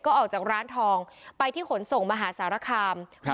ก็ออกจากร้านทองไปที่ขนสงมหาศาลคำ